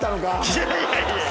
いやいやいやいや。